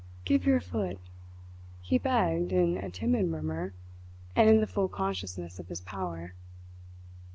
"Give your foot," he begged in a timid murmur, and in the full consciousness of his power.